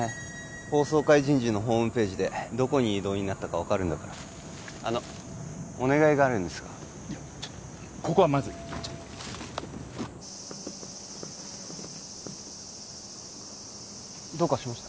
法曹界人事のホームページでどこに異動になったか分かるんだからあのお願いがあるんですがちょっここはまずいどうかしました？